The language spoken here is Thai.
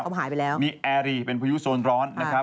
เขาหายไปแล้วมีแอร์รีเป็นพายุโซนร้อนนะครับ